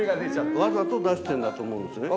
わざと出してるんだと思うんですね。